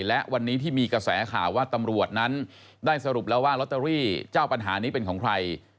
และวันนี้ที่มีกระแสข่าวว่าตำรวจนั้นได้สรุปแล้วว่าลอตเตอรี่เจ้าปัญหานี้เป็นของใคร